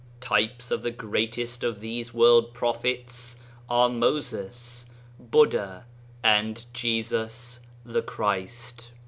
Types of the greatest of these world prophets are Moses, Buddha, and Jesus the Christ.